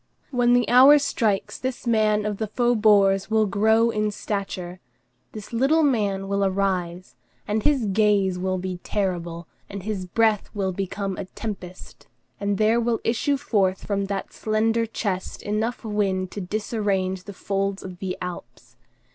When the hour strikes, this man of the faubourgs will grow in stature; this little man will arise, and his gaze will be terrible, and his breath will become a tempest, and there will issue forth from that slender chest enough wind to disarrange the folds of the Alps.